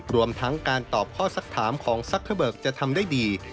รวมทั้งการตอบข้อสักถามของซักเกอร์เบิกจะทำได้ดี